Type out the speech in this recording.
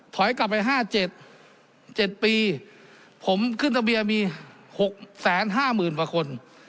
ถอยกลับไปห้าเจ็ดเจ็ดปีผมขึ้นตะเบียมีหกแสนห้าหมื่นประคน